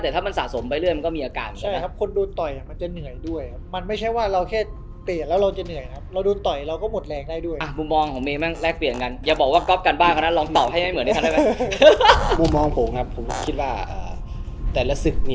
แต่เข้าเป้าทุกเมตร